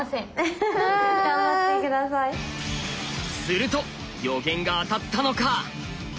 ⁉すると予言が当たったのか。